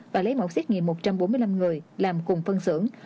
và lấy mẫu xét nghiệm một trăm bốn mươi năm người làm cùng phân xưởng